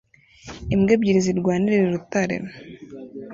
imbwa ebyiri zirwanira irutare